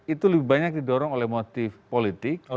itu lebih banyak didorong oleh motif politik